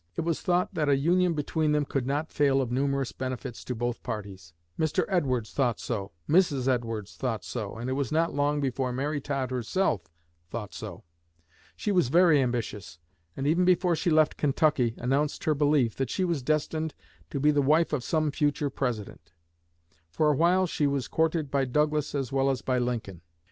It was thought that a union between them could not fail of numerous benefits to both parties. Mr. Edwards thought so; Mrs. Edwards thought so; and it was not long before Mary Todd herself thought so. She was very ambitious, and even before she left Kentucky announced her belief that she was destined to be the wife of some future President. For a while she was courted by Douglas as well as by Lincoln.